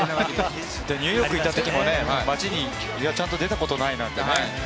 ニューヨークにいたときもちゃんと街に出たことないってね。